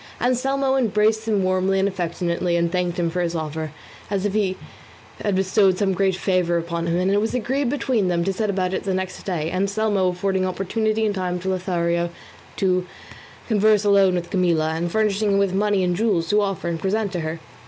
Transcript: Anselmo embraced him warmly and affectionately, and thanked him for his offer as if he had bestowed some great favour upon him; and it was agreed between them to set about it the next day, Anselmo affording opportunity and time to Lothario to converse alone with Camilla, and furnishing him with money and jewels to offer and present to her.